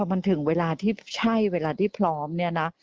มันถึงเวลาที่ใช่เวลาที่พร้อมเนี่ยนะ